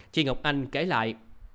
chị ngọc anh kể lại